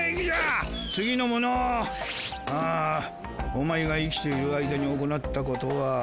あオマエが生きている間に行ったことは。